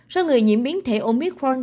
số người nhiễm biến thể omicron